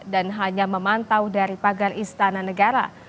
hanya memantau dari pagar istana negara